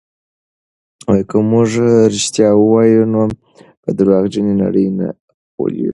که موږ رښتیا ووایو نو په درواغجنې نړۍ نه غولېږو.